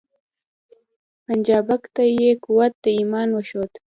پنجابک ته یې قوت د ایمان وښود